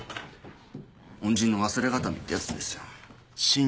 恩人の忘れ形見ってやつですよ。